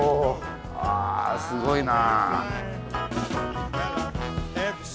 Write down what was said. あすごいな。